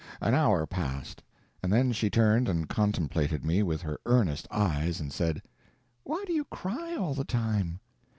An hour passed, and then she turned and contemplated me with her earnest eyes and said, "Why do you cry all the time?"